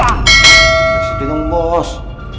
harus ditunggu bos